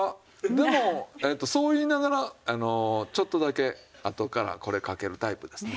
でもそう言いながらちょっとだけあとからこれかけるタイプですね。